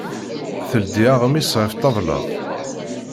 Teldi aɣmis ɣef ṭṭabla.